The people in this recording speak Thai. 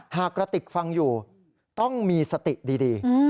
กระติกฟังอยู่ต้องมีสติดี